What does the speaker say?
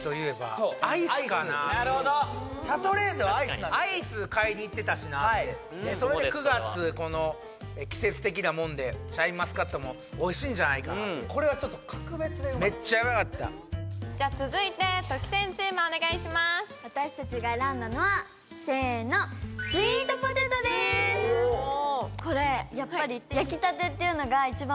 シャトレーゼはアイスアイス買いに行ってたしなってでそれで９月この季節的なもんでシャインマスカットもおいしいんじゃないかなってめっちゃヤバかったじゃあ続いてとき宣チームお願いしまーす私達が選んだのはせーのスイートポテトでーすこれやっぱり焼きたてっていうのが一番